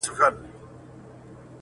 ژبه کي توان یې د ویلو نسته چپ پاته دی-